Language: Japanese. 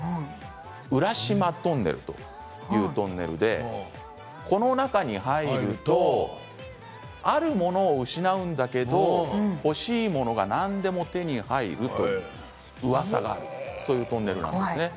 ウラシマトンネルというトンネルでこの中に入るとあるものを失うんだけど欲しいものが何でも手に入るといううわさがあるそういうトンネルなんですね。